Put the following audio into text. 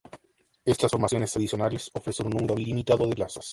Estas formaciones adicionales ofrecen un número limitado de plazas.